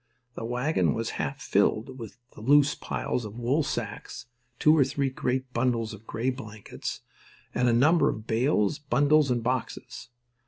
The wagon was half filled with loose piles of wool sacks, two or three great bundles of grey blankets, and a number of bales, bundles, and boxes.